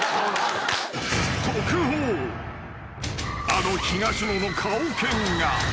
［あの東野の顔犬が］